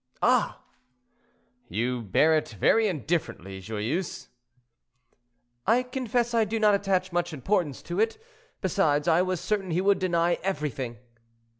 "Ah!" "You bear it very indifferently, Joyeuse." "I confess I do not attach much importance to it; besides, I was certain he would deny everything."